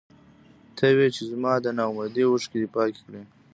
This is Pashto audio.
ته وې چې زما د نا اميدۍ اوښکې دې پاکې کړې.